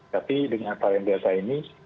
tapi dengan varian delta ini